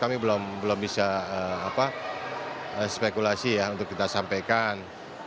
kami belum bisa spekulasi ya untuk kita sampaikan